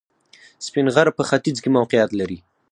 سپین غر په ختیځ کې موقعیت لري